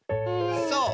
そう。